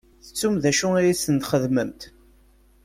Tettumt d acu i sen-txedmemt?